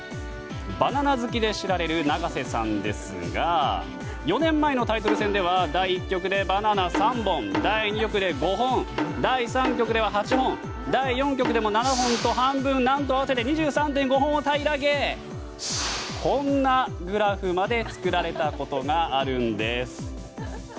バナナ好きで知られる永瀬さんですが４年前のタイトル戦では第１局でバナナ３本第２局で５本第３局では８本第４局でも７本と半分何と合わせて２３．５本を平らげこんなグラフまで作られたことがあるんです。